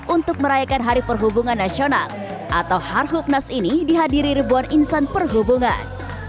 untuk merayakan hari perhubungan nasional atau harhubnas ini dihadiri ribuan insan perhubungan